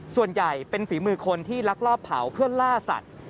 ส่วนใหญ่เป็นฝีมือคนที่ลักลอบเผาเพื่อล่าสัตว์